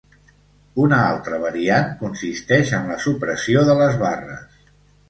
Una altra variant consisteix en la supressió de les barres.